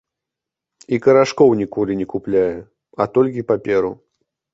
І карашкоў ніколі не купляе, а толькі паперу.